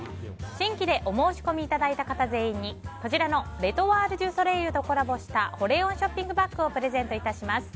新規でお申し込みいただいた方全員に、こちらのレ・トワール・デュ・ソレイユとコラボした保冷温ショッピングバッグをプレゼント致します。